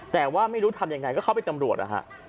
แต่ว่าไม่รู้ทำยังไงก็เขาเป็นตำรวจนะฮะ